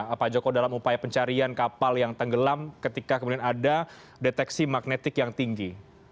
apa joko dalam upaya pencarian kapal yang tenggelam ketika kemudian ada deteksi magnetik yang tinggi